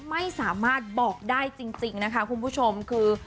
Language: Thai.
ไม่สามารถบอกได้จริงนะคะคุณผู้ชมคือ